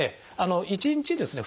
１日ですね